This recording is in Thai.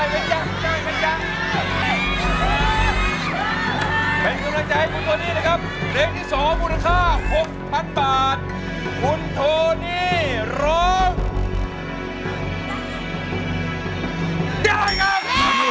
ร้องได้แบบนี้ค่ะรับแล้วค่ะตอนนี้๖๐๐๐บาท